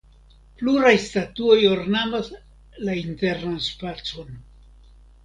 Pluraj statuoj ornamas la internan spacon.